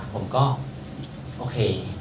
ผมก็โอเค